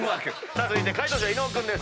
続いて解答者伊野尾君です。